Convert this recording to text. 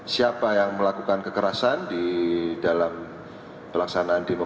siapa yang melakukan kekerasan di dalam pelaksanaan di mokok